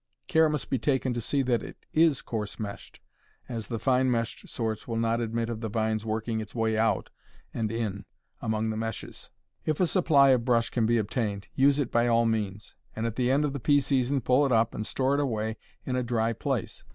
Care must be taken to see that it is coarse meshed, as the fine meshed sorts will not admit of the vine's working its way out and in among the meshes. If a supply of brush can be obtained, use it by all means, and at the end of the pea season pull it up and store it away in a dry place.